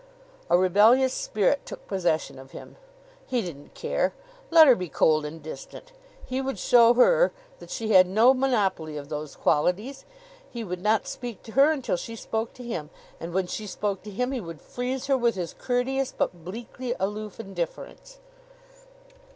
A rebellious spirit took possession of him. He didn't care! Let her be cold and distant. He would show her that she had no monopoly of those qualities. He would not speak to her until she spoke to him; and when she spoke to him he would freeze her with his courteous but bleakly aloof indifference.